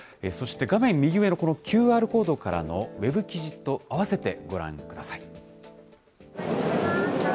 そして画面右上のこのＱＲコードからのウェブ記事と合わせてご覧ください。